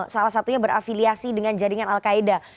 salah satunya berafiliasi dengan jaringan al qaeda